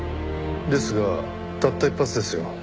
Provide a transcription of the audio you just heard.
ですがたった一発ですよ。